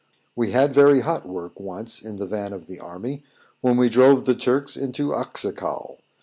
We had very hot work once in the van of the army, when we drove the Turks into Oczakow.